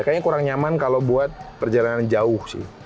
kayaknya kurang nyaman kalau buat perjalanan jauh sih